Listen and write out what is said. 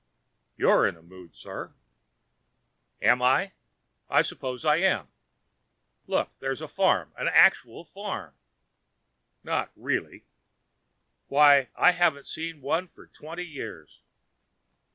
"You're in a mood, sir." "Am I? I suppose I am. Look! There's a farm, an actual farm!" "Not really!" "Why, I haven't seen one for twenty years."